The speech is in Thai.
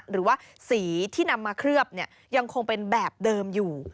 หรือว่าสีที่นำมาเคลือบยังคงเป็นแบบเดิมอยู่